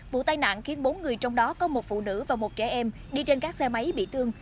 vụ tai nạn khiến bốn người trong đó có một phụ nữ và một trẻ em đi trên các xe máy bị thương